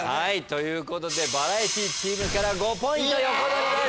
ということでバラエティチームから５ポイント横取りです。